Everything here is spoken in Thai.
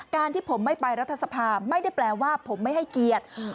ที่ผมไม่ไปรัฐสภาไม่ได้แปลว่าผมไม่ให้เกียรติ